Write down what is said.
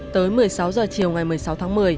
tới một mươi sáu h chiều ngày một mươi sáu tháng một mươi